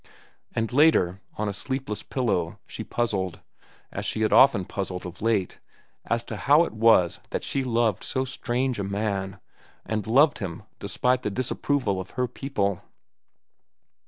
And later, on a sleepless pillow, she puzzled, as she had often puzzled of late, as to how it was that she loved so strange a man, and loved him despite the disapproval of her people.